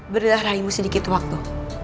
berilah raimu sedikit waktu